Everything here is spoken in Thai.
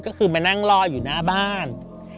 ก็คือมานั่งรออยู่หน้าบ้าน